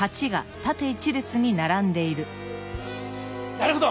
なるほど！